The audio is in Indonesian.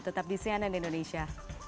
tetap di cnn indonesia